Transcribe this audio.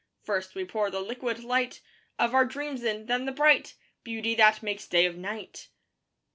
First we pour the liquid light Of our dreams in; then the bright Beauty that makes day of night.